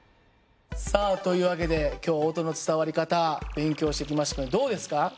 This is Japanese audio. さあという訳で今日は音の伝わり方勉強してきましたけどどうですか？